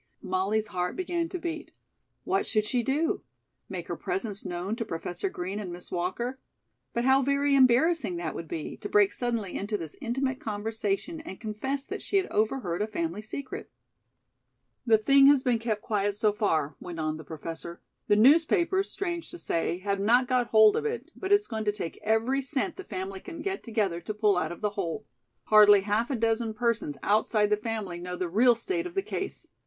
Molly's heart began to beat. What should she do? Make her presence known to Professor Green and Miss Walker? But how very embarrassing that would be, to break suddenly into this intimate conversation and confess that she had overheard a family secret. "The thing has been kept quiet so far," went on the Professor. "The newspapers, strange to say, have not got hold of it, but it's going to take every cent the family can get together to pull out of the hole. Hardly half a dozen persons outside the family know the real state of the case.